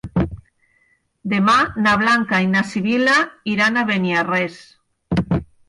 Demà na Blanca i na Sibil·la iran a Beniarrés.